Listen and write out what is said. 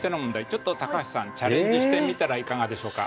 ちょっと高橋さんチャレンジしてみたらいかがでしょうか？